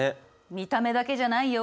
見た目だけじゃないよ